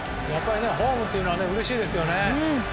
ホームというのはうれしいですよね。